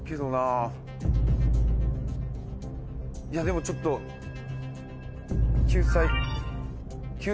でもちょっと救済。